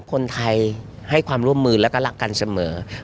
คนไทยให้ความร่วมมือแล้วก็รักกันเสมอ